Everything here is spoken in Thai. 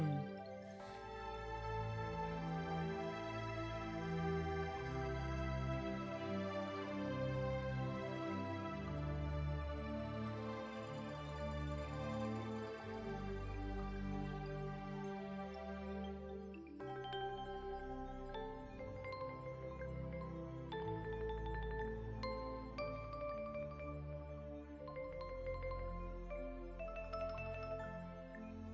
โดยด้านบนมีขนาดความกว้าง๑๐เซนติเมตร